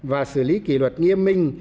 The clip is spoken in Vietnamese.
và xử lý kỷ luật nghiêm minh